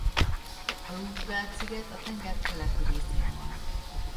A Roosevelt-sziget a tenger keleti részén van.